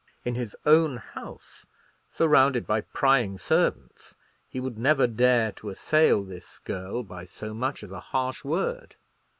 In his own house, surrounded by prying servants, he would never dare to assail this girl by so much as a harsh word.